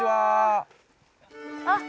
あっ。